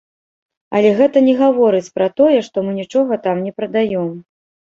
Але гэта не гаворыць пра тое, што мы нічога там не прадаём.